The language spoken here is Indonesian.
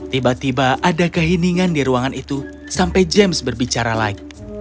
tiba tiba ada keheningan di ruangan itu sampai james berbicara lagi